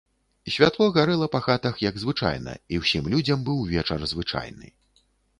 Святло гарэла па хатах, як звычайна, і ўсім людзям быў вечар звычайны.